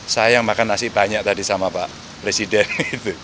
saya yang makan nasi banyak tadi sama pak presiden